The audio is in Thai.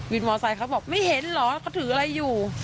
มอไซค์เขาบอกไม่เห็นเหรอเขาถืออะไรอยู่